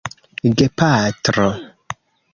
gepatro